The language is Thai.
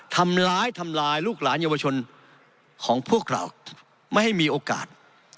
ทำร้ายทำลายลูกหลานเยาวชนของพวกเราไม่ให้มีโอกาส